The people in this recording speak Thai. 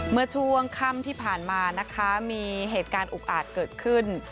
เมื่อช่วงค่ำที่ผ่านมานะคะมีเหตุการณ์อุกอาจเกิดขึ้น